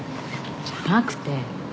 じゃなくて。